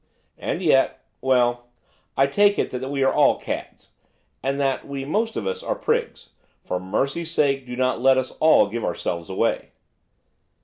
And yet ! Well, I take it that we are all cads, and that we most of us are prigs; for mercy's sake do not let us all give ourselves away.